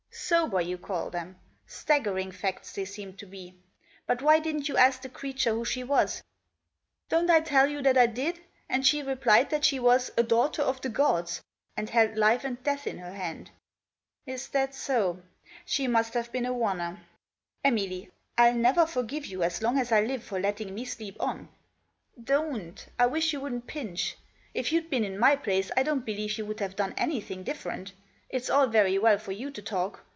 "Sober, you call them? Staggering facts they teem to me. But why didn't you ask the creature who she was ?"" Don't I tell you that I did ? And she replied that she was a daughter of the gods, and held life and death fn her hand." " Is that so ? She must have been a oner. Emily, Digitized by AN ttl/TlMAf UM. 139 ill never forgive you as lortg a* I live for letting me sleep on." "Don't 1 1 wish you wouldn't pinch. If you'd been in my place, I don't believe you'd have done ahything different — it's all very well for you to talk.